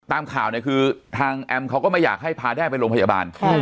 ตามข่าวเนี่ยคือทางแอมเขาก็ไม่อยากให้พาแด้ไปโรงพยาบาล